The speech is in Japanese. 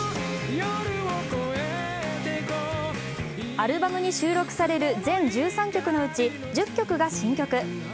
アルバムに収録される全１３曲のうち１０曲が新曲。